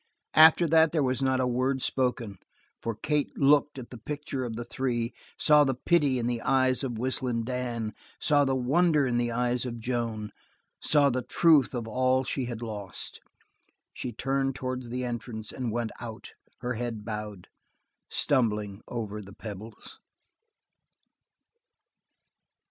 After that there was not a word spoken, for Kate looked at the picture of the three, saw the pity in the eyes of Whistling Dan, saw the wonder in the eyes of Joan, saw the truth of all she had lost. She turned towards the entrance and went out, her head bowed, stumbling over the pebbles.